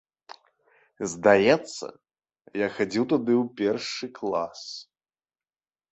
Здаецца, я хадзіў тады ў першы клас.